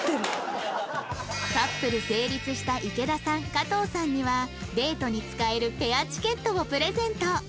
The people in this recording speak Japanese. カップル成立した池田さんかとうさんにはデートに使えるペアチケットをプレゼント